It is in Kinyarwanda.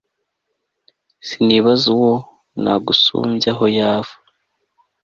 sinibaza uwo nagusumbya aho yava